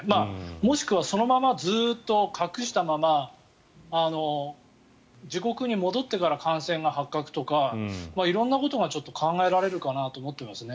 もしくはそのままずっと隠したまま自国に戻ってから感染が発覚とか色んなことが考えられるんだろうなと思いますね。